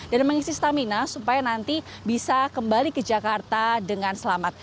mengisi stamina supaya nanti bisa kembali ke jakarta dengan selamat